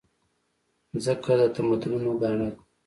مځکه د تمدنونو ګاڼه ده.